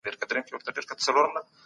لیکوال یوازې نېټې نه یادوي.